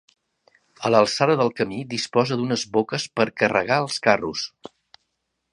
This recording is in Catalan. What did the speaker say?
A l'alçada del camí disposa d'unes boques per carregar els carros.